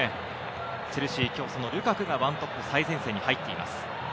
チェルシー、今日はルカクが１トップ、最前線に入っています。